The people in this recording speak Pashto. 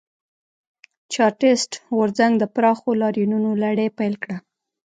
چارټېست غورځنګ د پراخو لاریونونو لړۍ پیل کړه.